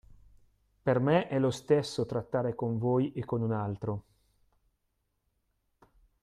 Per me, è lo stesso trattare con voi e con un altro.